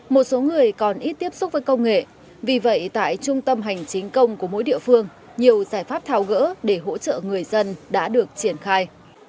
một số người còn ít tiếp xúc với công nghệ vì vậy tại trung tâm hành chính công của mỗi địa phương nhiều giải pháp thao gỡ để hỗ trợ người dân đã được triển khai